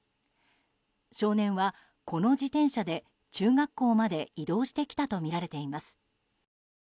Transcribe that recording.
少年は、この自転車で中学校まで移動してきたとみられています。